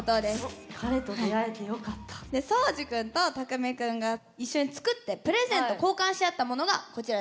そうじくんとたくみくんが一緒に作ってプレゼント交換し合ったものがこちらです。